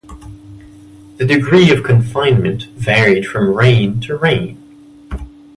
The degree of confinement varied from reign to reign.